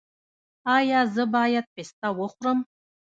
ایا زه باید پسته وخورم؟